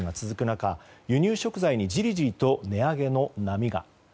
中輸入食品に、じりじりと値上げの波が。